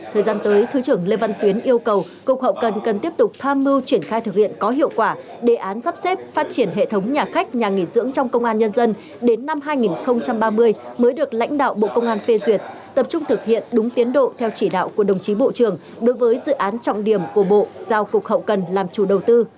thời gian tới thứ trưởng lê văn tuyến yêu cầu cục hậu cần cần tiếp tục tham mưu triển khai thực hiện có hiệu quả đề án sắp xếp phát triển hệ thống nhà khách nhà nghỉ dưỡng trong công an nhân dân đến năm hai nghìn ba mươi mới được lãnh đạo bộ công an phê duyệt tập trung thực hiện đúng tiến độ theo chỉ đạo của đồng chí bộ trưởng đối với dự án trọng điểm của bộ giao cục hậu cần làm chủ đầu tư